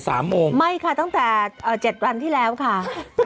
ม้ามัยคะตั้งแต่อ่าเจ็ดวันที่แล้วค่ะ